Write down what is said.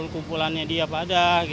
kumpulannya dia pada